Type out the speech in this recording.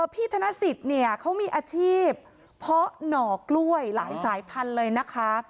ธนสิทธิ์เนี่ยเขามีอาชีพเพาะหน่อกล้วยหลายสายพันธุ์เลยนะคะ